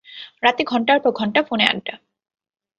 রাতে ঘণ্টার পর ঘণ্টা ফোনে আড্ডা।